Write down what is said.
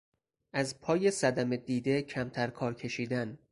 از پای صدمه دیده کمتر کار کشیدن